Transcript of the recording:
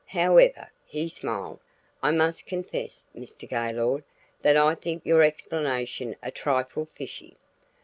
However," he smiled, "I must confess, Mr. Gaylord, that I think your explanation a trifle fishy.